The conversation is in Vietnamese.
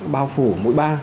bao phủ mũi ba